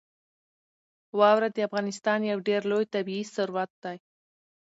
واوره د افغانستان یو ډېر لوی طبعي ثروت دی.